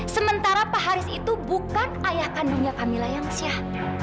sementara pak haris itu bukan ayah kandungnya kamila yang syah